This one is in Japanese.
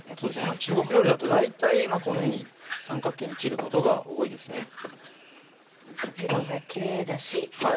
中国料理だと大体このように三角形に切ることが多いですね色がきれいだしはい